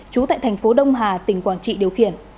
trú tại thành phố đông hà tỉnh quảng trị điều khiển